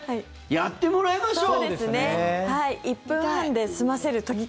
やってもらいましょう。